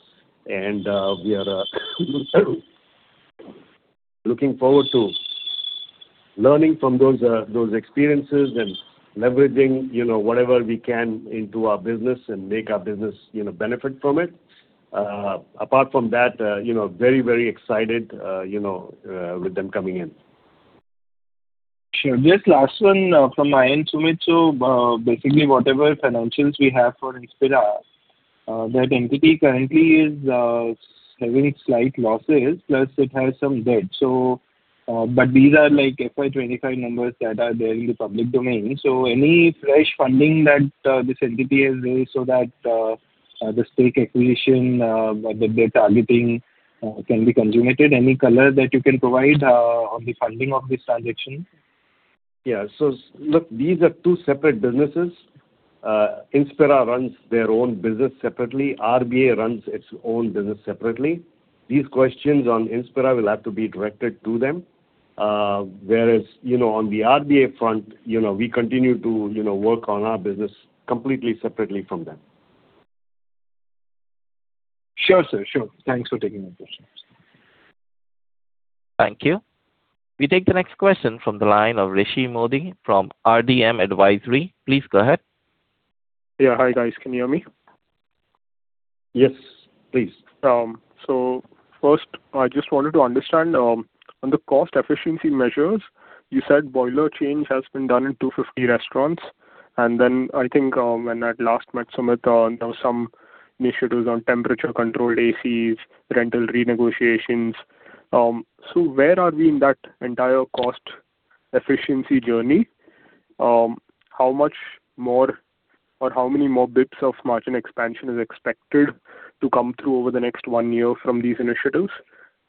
[SPEAKER 3] And we are looking forward to learning from those experiences and leveraging whatever we can into our business and make our business benefit from it. Apart from that, very, very excited with them coming in.
[SPEAKER 10] Sure. Just last one from my end, Sumit. Basically, whatever financials we have for Inspira, that entity currently is having slight losses, plus it has some debt. But these are FY 2025 numbers that are there in the public domain. So any fresh funding that this entity has raised so that the stake acquisition, the debt targeting can be consummated, any color that you can provide on the funding of this transaction?
[SPEAKER 3] Yeah. So look, these are two separate businesses. Inspira runs their own business separately. RBA runs its own business separately. These questions on Inspira will have to be directed to them. Whereas on the RBA front, we continue to work on our business completely separately from them.
[SPEAKER 10] Sure, sir. Sure. Thanks for taking my questions.
[SPEAKER 1] Thank you. We take the next question from the line of Rishi Modi from RDM Advisory. Please go ahead.
[SPEAKER 11] Yeah. Hi guys. Can you hear me?
[SPEAKER 3] Yes, please.
[SPEAKER 11] So first, I just wanted to understand on the cost efficiency measures, you said boiler change has been done in 250 restaurants. And then I think when I last met Sumit, there were some initiatives on temperature-controlled ACs, rental renegotiations. So where are we in that entire cost efficiency journey? How much more or how many more bips of margin expansion is expected to come through over the next one year from these initiatives?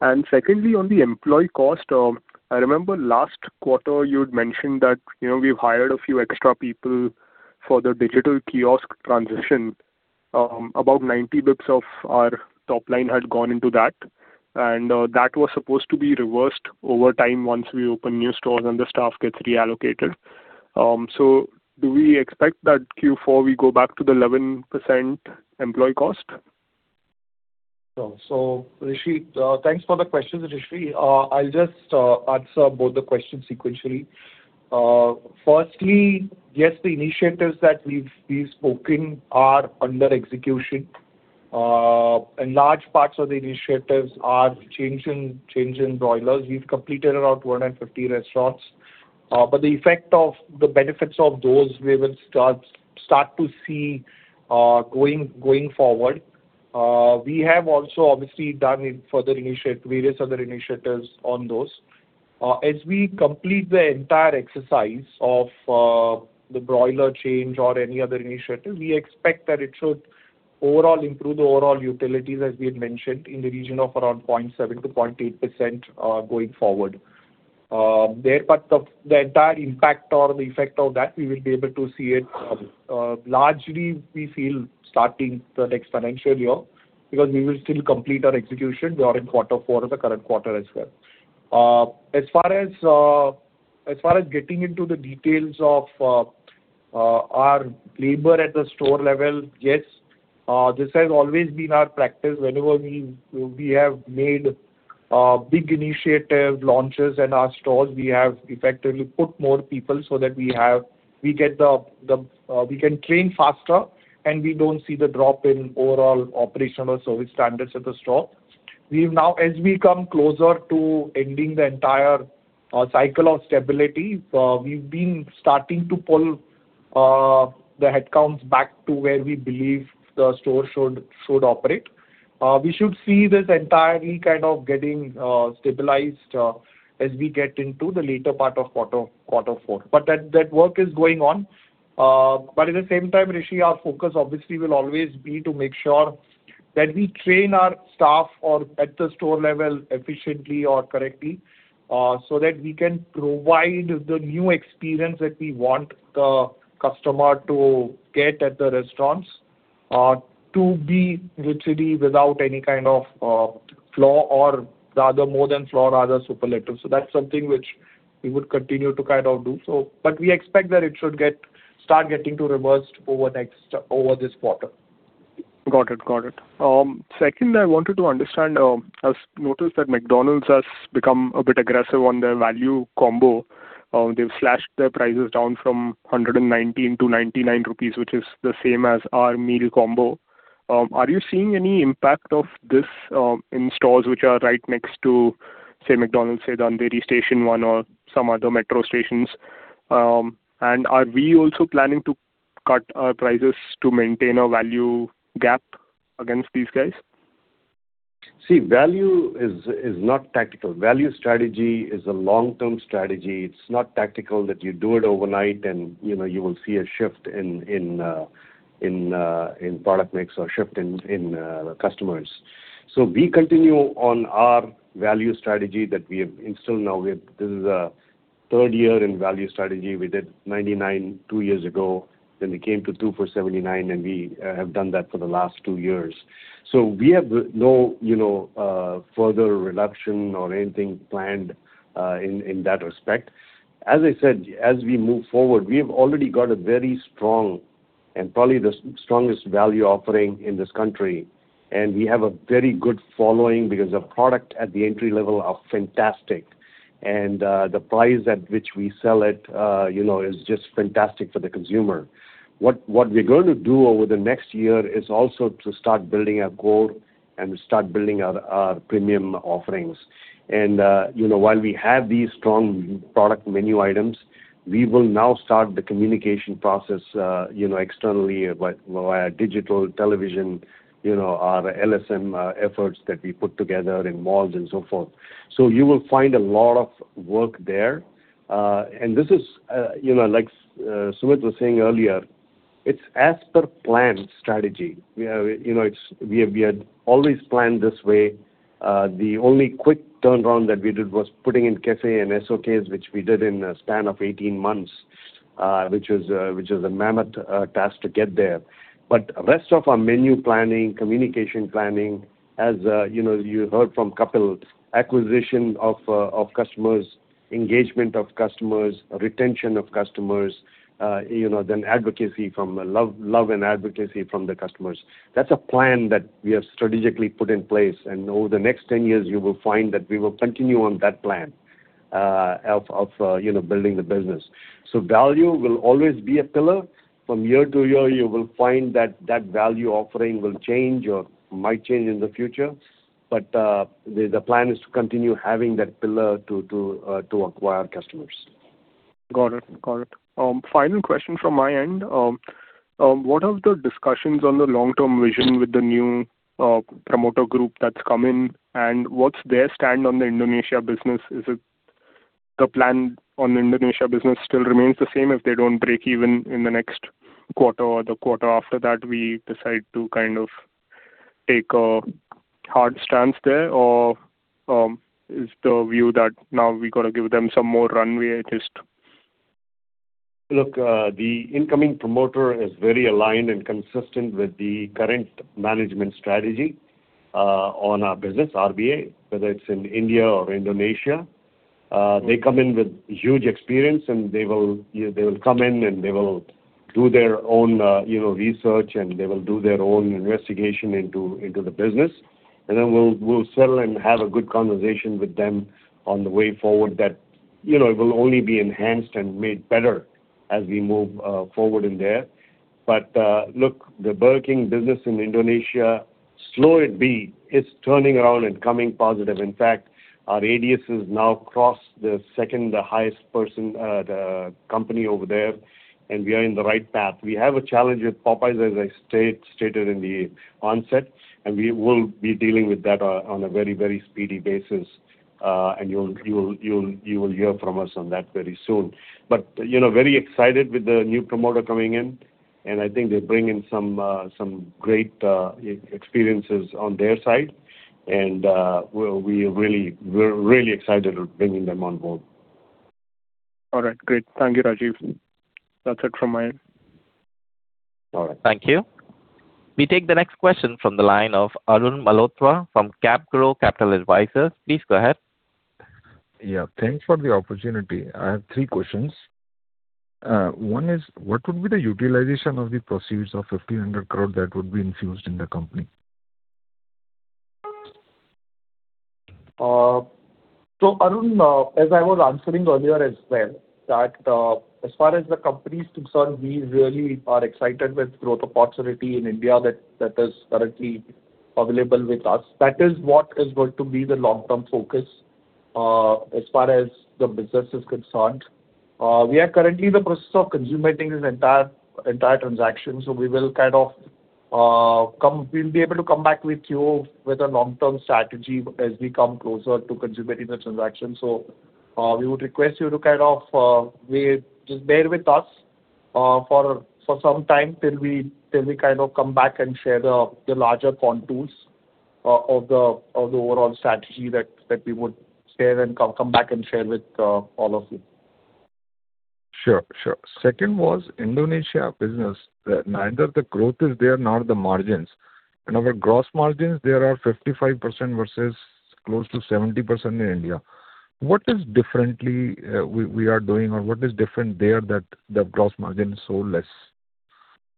[SPEAKER 11] And secondly, on the employee cost, I remember last quarter, you'd mentioned that we've hired a few extra people for the digital kiosk transition. About 90 bips of our top line had gone into that. And that was supposed to be reversed over time once we open new stores and the staff gets reallocated. So do we expect that Q4, we go back to the 11% employee cost?
[SPEAKER 4] Sure. So Rishi, thanks for the questions, Rishi. I'll just answer both the questions sequentially. Firstly, yes, the initiatives that we've spoken are under execution. And large parts of the initiatives are change in boilers. We've completed around 150 restaurants. But the effect of the benefits of those, we will start to see going forward. We have also, obviously, done various other initiatives on those. As we complete the entire exercise of the boiler change or any other initiative, we expect that it should overall improve the overall utilities, as we had mentioned, in the region of around 0.7%-0.8% going forward. The entire impact or the effect of that, we will be able to see it largely, we feel, starting the next financial year because we will still complete our execution. We are in quarter four of the current quarter as well. As far as getting into the details of our labor at the store level, yes, this has always been our practice. Whenever we have made big initiative launches in our stores, we have effectively put more people so that we can train faster, and we don't see the drop in overall operational service standards at the store. As we come closer to ending the entire cycle of stability, we've been starting to pull the headcounts back to where we believe the store should operate. We should see this entirely kind of getting stabilized as we get into the later part of quarter four. But that work is going on. But at the same time, Rishi, our focus, obviously, will always be to make sure that we train our staff at the store level efficiently or correctly so that we can provide the new experience that we want the customer to get at the restaurants to be literally without any kind of flaw or rather more than flaw, rather superlative. So that's something which we would continue to kind of do. But we expect that it should start getting to reverse over this quarter.
[SPEAKER 11] Got it. Got it. Second, I wanted to understand, I've noticed that McDonald's has become a bit aggressive on their value combo. They've slashed their prices down from 119-99 rupees, which is the same as our meal combo. Are you seeing any impact of this in stores which are right next to, say, McDonald's, say, the Andheri Station 1, or some other metro stations? And are we also planning to cut our prices to maintain a value gap against these guys?
[SPEAKER 3] See, value is not tactical. Value strategy is a long-term strategy. It's not tactical that you do it overnight, and you will see a shift in product mix or shift in customers. So we continue on our value strategy that we have instilled now. This is a third year in value strategy. We did 99 two years ago. Then we came to 2 for 79, and we have done that for the last two years. So we have no further reduction or anything planned in that respect. As I said, as we move forward, we have already got a very strong and probably the strongest value offering in this country. And we have a very good following because the product at the entry level are fantastic. And the price at which we sell it is just fantastic for the consumer. What we're going to do over the next year is also to start building our core and start building our premium offerings. And while we have these strong product menu items, we will now start the communication process externally via digital television, our LSM efforts that we put together in malls and so forth. So you will find a lot of work there. And this is, like Sumit was saying earlier, it's as per plan strategy. We had always planned this way. The only quick turnaround that we did was putting in café and SOKs, which we did in a span of 18 months, which was a mammoth task to get there. But the rest of our menu planning, communication planning, as you heard from Kapil, acquisition of customers, engagement of customers, retention of customers, then advocacy from love and advocacy from the customers, that's a plan that we have strategically put in place. And over the next 10 years, you will find that we will continue on that plan of building the business. So value will always be a pillar. From year to year, you will find that that value offering will change or might change in the future. But the plan is to continue having that pillar to acquire customers.
[SPEAKER 11] Got it. Got it. Final question from my end. What are the discussions on the long-term vision with the new promoter group that's come in? And what's their stand on the Indonesia business? Is it the plan on the Indonesia business still remains the same if they don't break even in the next quarter or the quarter after that, we decide to kind of take a hard stance there? Or is the view that now we got to give them some more runway, just?
[SPEAKER 3] Look, the incoming promoter is very aligned and consistent with the current management strategy on our business, RBA, whether it's in India or Indonesia. They come in with huge experience, and they will come in, and they will do their own research, and they will do their own investigation into the business. Then we'll settle and have a good conversation with them on the way forward that it will only be enhanced and made better as we move forward in there. But look, the Burger King business in Indonesia, albeit slow, is turning around and coming positive. In fact, our ADS has now crossed the second-highest per store in the company over there. And we are on the right path. We have a challenge with Popeyes, as I stated at the onset. And we will be dealing with that on a very, very speedy basis. You will hear from us on that very soon. But very excited with the new promoter coming in. I think they bring in some great experiences on their side. We are really excited bringing them on board.
[SPEAKER 11] All right. Great. Thank you, Rajeev. That's it from my end.
[SPEAKER 3] All right.
[SPEAKER 1] Thank you. We take the next question from the line of Arun Malhotra from CapGrow Capital Advisors. Please go ahead.
[SPEAKER 12] Yeah. Thanks for the opportunity. I have three questions. One is, what would be the utilization of the proceeds of 1,500 crore that would be infused in the company?
[SPEAKER 4] So Arun, as I was answering earlier as well, that as far as the company is concerned, we really are excited with growth opportunity in India that is currently available with us. That is what is going to be the long-term focus as far as the business is concerned. We are currently in the process of consummating this entire transaction. So we will kind of, we'll be able to come back with you with a long-term strategy as we come closer to consummating the transaction. So we would request you to kind of just bear with us for some time till we kind of come back and share the larger contours of the overall strategy that we would share and come back and share with all of you.
[SPEAKER 12] Sure. Sure. Second was Indonesia business that neither the growth is there nor the margins. Our gross margins, they are 55% versus close to 70% in India. What is differently we are doing, or what is different there that the gross margin is so less?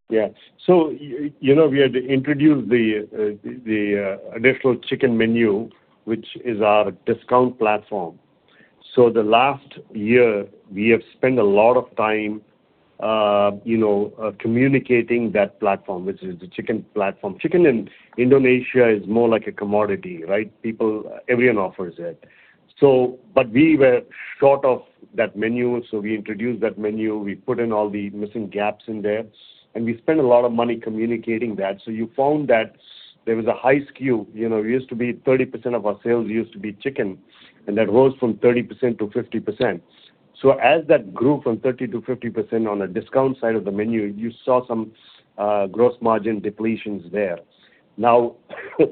[SPEAKER 3] Yeah. So we had introduced the additional chicken menu, which is our discount platform. So the last year, we have spent a lot of time communicating that platform, which is the chicken platform. Chicken in Indonesia is more like a commodity, right? Everyone offers it. But we were short of that menu. So we introduced that menu. We put in all the missing gaps in there. And we spent a lot of money communicating that. So you found that there was a high SKU. It used to be 30% of our sales used to be chicken. And that rose from 30% to 50%. So as that grew from 30%-50% on the discount side of the menu, you saw some gross margin depletions there. Now,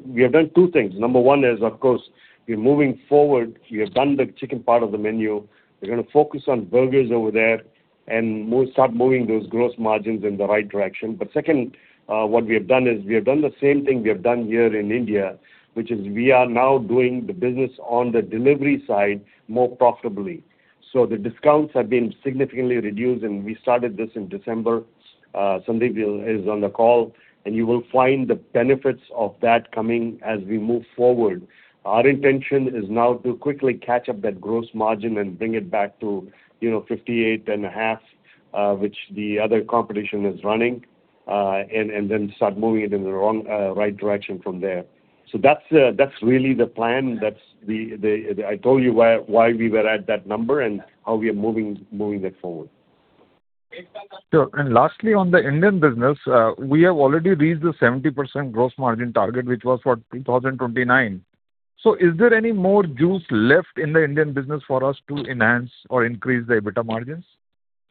[SPEAKER 3] we have done two things. Number one is, of course, we're moving forward. We have done the chicken part of the menu. We're going to focus on burgers over there and start moving those gross margins in the right direction. But second, what we have done is we have done the same thing we have done here in India, which is we are now doing the business on the delivery side more profitably. So the discounts have been significantly reduced. And we started this in December. Sandeep Dey is on the call. And you will find the benefits of that coming as we move forward. Our intention is now to quickly catch up that gross margin and bring it back to 58.5%, which the other competition is running, and then start moving it in the right direction from there. So that's really the plan. I told you why we were at that number and how we are moving that forward.
[SPEAKER 12] Sure. Lastly, on the Indian business, we have already reached the 70% gross margin target, which was for 2029. Is there any more juice left in the Indian business for us to enhance or increase the EBITDA margins?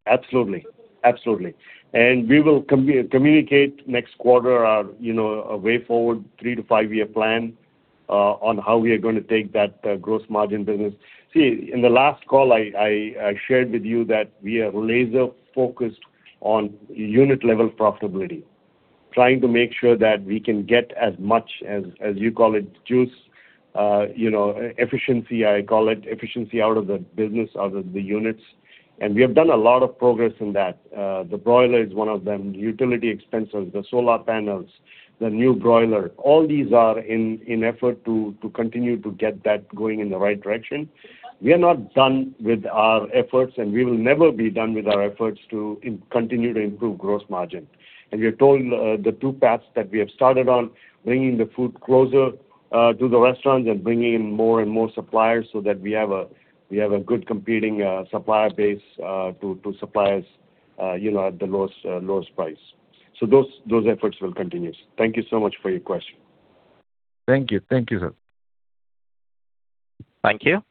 [SPEAKER 3] Absolutely. Absolutely. We will communicate next quarter our way forward 3-5-year plan on how we are going to take that gross margin business. See, in the last call, I shared with you that we are laser-focused on unit-level profitability, trying to make sure that we can get as much as you call it juice, efficiency, I call it, efficiency out of the business, out of the units. And we have done a lot of progress in that. The broiler is one of them. The utility expenses, the solar panels, the new broiler, all these are in effort to continue to get that going in the right direction. We are not done with our efforts, and we will never be done with our efforts to continue to improve gross margin. We are told the two paths that we have started on, bringing the food closer to the restaurants and bringing in more and more suppliers so that we have a good competing supplier base to suppliers at the lowest price. Those efforts will continue. Thank you so much for your question.
[SPEAKER 12] Thank you. Thank you, sir.
[SPEAKER 1] Thank you.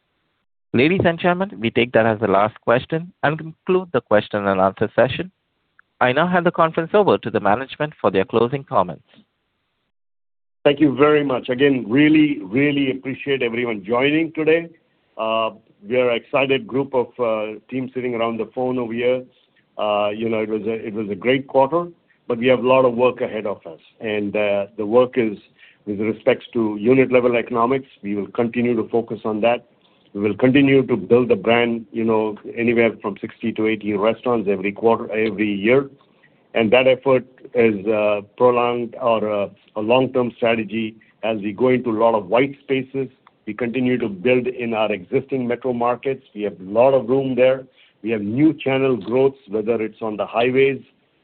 [SPEAKER 1] Ladies and gentlemen, we take that as the last question and conclude the Q&A session. I now hand the conference over to the management for their closing comments.
[SPEAKER 3] Thank you very much. Again, really, really appreciate everyone joining today. We are an excited group of teams sitting around the phone over here. It was a great quarter. But we have a lot of work ahead of us. And the work is with respect to unit-level economics. We will continue to focus on that. We will continue to build the brand anywhere from 60-80 restaurants every year. And that effort is prolonged or a long-term strategy as we go into a lot of white spaces. We continue to build in our existing metro markets. We have a lot of room there. We have new channel growths, whether it's on the highways,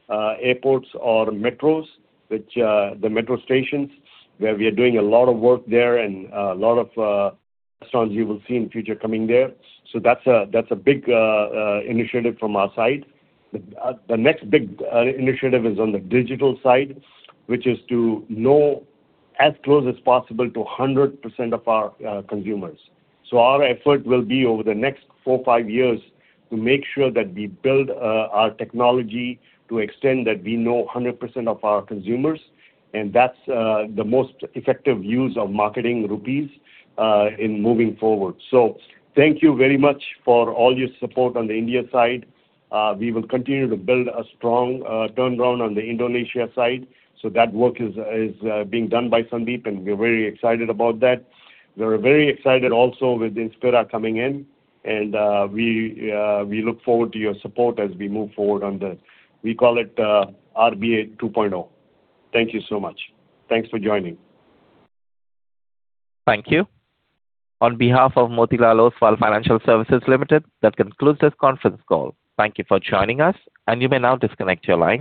[SPEAKER 3] airports, or metros, the metro stations, where we are doing a lot of work there and a lot of restaurants you will see in the future coming there. So that's a big initiative from our side. The next big initiative is on the digital side, which is to know as close as possible to 100% of our consumers. So our effort will be over the next 4-5 years to make sure that we build our technology to extend that we know 100% of our consumers. And that's the most effective use of marketing rupees in moving forward. So thank you very much for all your support on the India side. We will continue to build a strong turnaround on the Indonesia side. So that work is being done by Sandeep, and we're very excited about that. We are very excited also with Inspira coming in. And we look forward to your support as we move forward on the we call it RBA 2.0. Thank you so much. Thanks for joining.
[SPEAKER 1] Thank you. On behalf of Motilal Oswal Financial Services Limited, that concludes this conference call. Thank you for joining us. You may now disconnect your line.